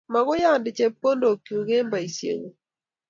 Makoi ande chepkondok chuk eng boishet ngung